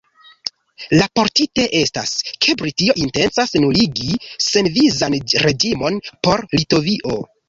Raportite estas, ke Britio intencas nuligi senvizan reĝimon por Litovio.